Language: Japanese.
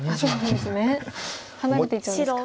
離れていっちゃうんですか。